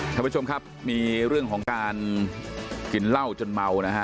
ท่านผู้ชมครับมีเรื่องของการกินเหล้าจนเมานะฮะ